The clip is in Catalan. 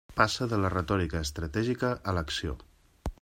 Passa de la retòrica estratègica a l'acció.